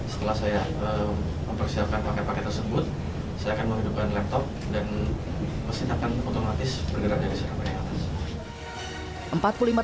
setelah saya mempersiapkan paket paket tersebut saya akan menghidupkan laptop dan mesin akan otomatis bergerak dari serangan atas